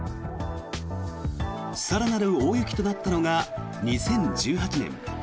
更なる大雪となったのが２０１８年。